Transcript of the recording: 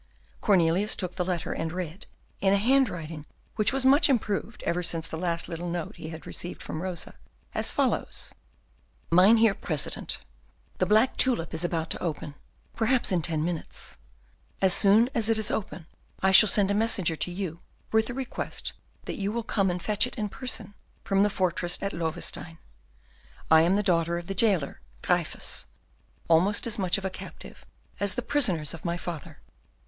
Cornelius took the letter, and read, in a handwriting which was much improved even since the last little note he had received from Rosa, as follows: "Mynheer President, The black tulip is about to open, perhaps in ten minutes. As soon as it is open, I shall send a messenger to you, with the request that you will come and fetch it in person from the fortress at Loewestein. I am the daughter of the jailer, Gryphus, almost as much of a captive as the prisoners of my father.